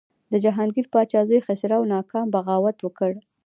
د جهانګیر پاچا زوی خسرو ناکام بغاوت وکړ.